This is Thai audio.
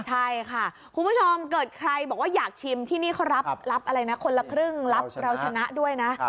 ใช่ค่ะคุณผู้ชมเกิดใครบอกว่าอยากชิมที่นี่เขารับอะไรนะคนละครึ่งรับเราชนะด้วยนะ